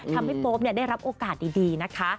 ทำให้โป๊ปได้รับโอกาสดีนะคะ